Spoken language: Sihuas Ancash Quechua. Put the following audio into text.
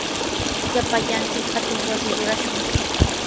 Llapallanchik hatun wasi rurashun.